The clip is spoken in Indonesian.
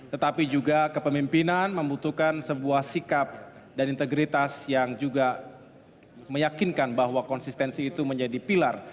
tetapi juga kepemimpinan membutuhkan sebuah sikap dan integritas yang juga meyakinkan bahwa konsistensi itu menjadi pilar